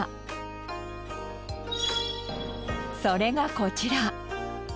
それがこちら。